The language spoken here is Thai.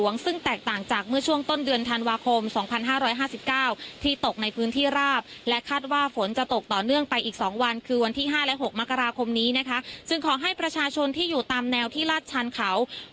น้ำพอผลัดไปกับน้ำอย่างนี้นะ